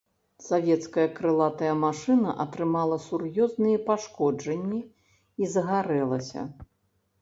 Савецкая крылатая машына атрымала сур'ёзныя пашкоджанні і загарэлася.